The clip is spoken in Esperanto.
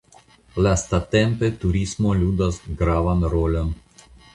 Lastatempe turismo ludas gravan rolon.